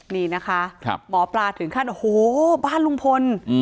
นี่นะคะหมอปลาถึงขั้นโอ้โหบ้านลุงพล